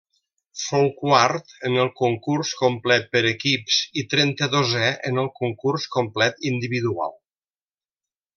Fou quart en el concurs complet per equips i trenta-dosè en el concurs complet individual.